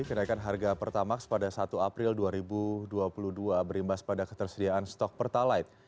kenaikan harga pertamax pada satu april dua ribu dua puluh dua berimbas pada ketersediaan stok pertalite